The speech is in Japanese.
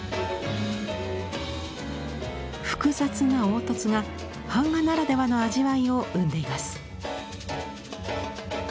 複雑な凹凸が版画ならではの味わいを生んでいます。